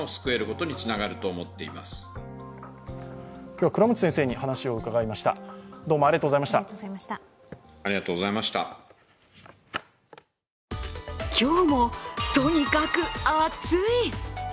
今日も、とにかく暑い。